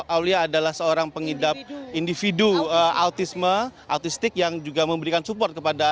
aulia adalah seorang pengidap individu autisme autistik yang juga memberikan support kepada